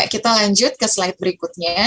kita lanjut ke slide berikutnya